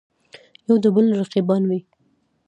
یودبل رقیبان وي.